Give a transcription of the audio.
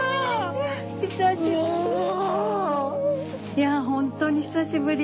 いや本当に久しぶり。